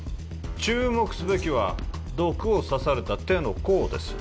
注目すべきは毒を刺された手の甲です